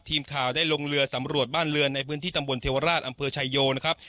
ทีมข่าวได้ลงเรือสำรวจบ้านเรือนในพื้นที่ตำบลเทวราชอำเภอชายโยนะครับ